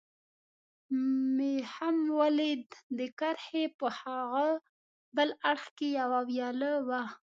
مې هم ولید، د کرښې په هاغه بل اړخ کې یوه ویاله وه.